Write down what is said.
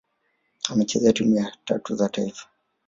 Amecheza timu tatu za taifa